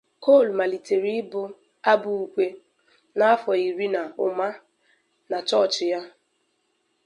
Coal malitere ịbụ abụ ukwe na afọ iri na ụma na chọọchị ya.